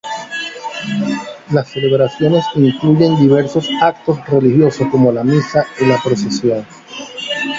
Las celebraciones incluyen diversos actos religiosos como la misa y la procesión.